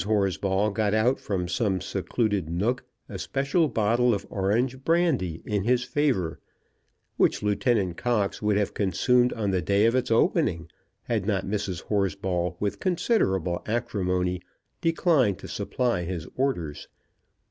Horsball got out from some secluded nook a special bottle of orange brandy in his favour, which Lieutenant Cox would have consumed on the day of its opening, had not Mrs. Horsball with considerable acrimony declined to supply his orders.